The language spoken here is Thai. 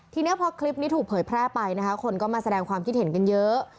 ทีนี้พอคลิปนี้ถูกเผยแพร่ไปนะคะคนก็มาแสดงความคิดเห็นกันเยอะ